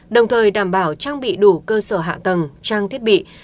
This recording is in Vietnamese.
đồng thời đảm bảo trang bị đủ cơ sở hạ tầng trang thiết bị